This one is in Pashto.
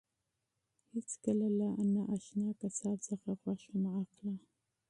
هیڅکله له نااشنا قصاب څخه غوښه مه اخله.